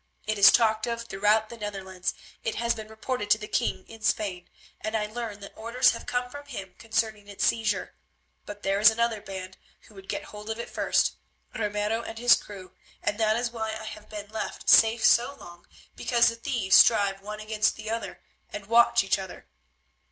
It is talked of throughout the Netherlands, it has been reported to the King in Spain, and I learn that orders have come from him concerning its seizure. But there is another band who would get hold of it first, Ramiro and his crew, and that is why I have been left safe so long, because the thieves strive one against the other and watch each other.